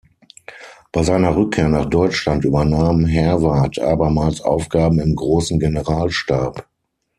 Bei seiner Rückkehr nach Deutschland übernahm Herwarth abermals Aufgaben im Großen Generalstab.